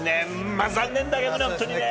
まあ、残念だけどね、本当にね。